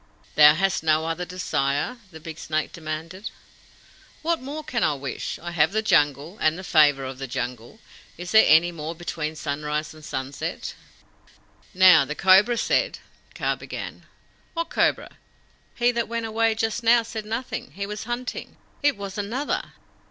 "Thou hast no other desire?" the big snake demanded. "What more can I wish? I have the Jungle, and the favour of the Jungle! Is there more anywhere between sunrise and sunset?" "Now, the Cobra said " Kaa began. "What cobra? He that went away just now said nothing. He was hunting." "It was another."